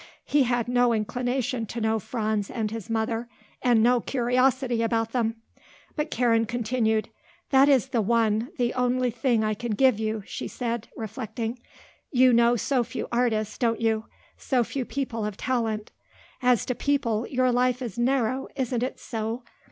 He had no inclination to know Franz and his mother, and no curiosity about them. But Karen continued. "That is the one, the only thing I can give you," she said, reflecting. "You know so few artists, don't you; so few people of talent. As to people, your life is narrow, isn't it so?